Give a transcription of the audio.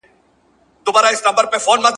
• يوڅه انا زړه وه ، يو څه توره تېره وه.